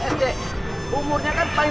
paling rendah kan sepuluh tahun